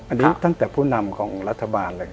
อันนี้ตั้งแต่ผู้นำของรัฐบาลเลย